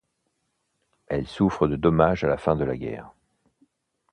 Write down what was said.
Elle souffre de dommages à la fin de la guerre.